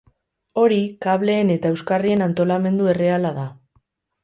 Hori, kableen eta euskarrien antolamendu erreala da.